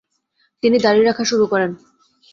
তিনি দাঁড়ি রাখা শুরু করেন।